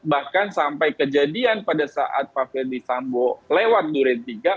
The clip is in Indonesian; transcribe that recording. bahkan sampai kejadian pada saat pak fredy sambo lewat duretiga